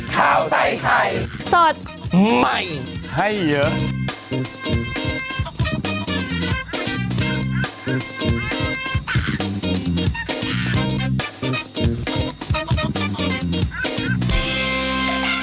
ข้าวใส่ไข่สดใหม่ให้เยอะ